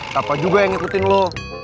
kapa juga yang ngikutin lu